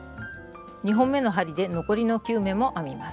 ２本めの針で残りの９目も編みます。